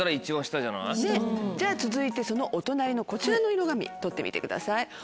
じゃあ続いてそのお隣のこちらの色紙取ってみてください。